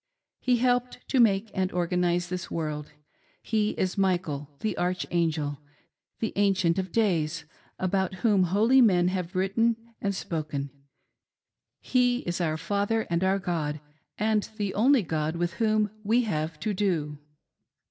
He helped to make and organise this world. He is Michael the Archangel, the Ancient of 300 BRIGHAM PUBLICLY TEACHES THAT ADAM IS GOD. Days,, about whom holy men have written and spoken. He is. our ' Father and our God,' and the only god with whom we have to do."